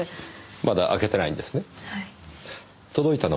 まだ開けてないんですね？